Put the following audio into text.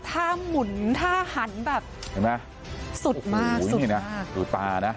ถ้ามุนถ้าหันแบบสุดมากค่ะเห็นไหมโอ้โหมีนี่นะสูดตานะ